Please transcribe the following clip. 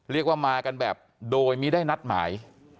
เรียกว่ามากันแบบโดยไม่ได้นัดหมาย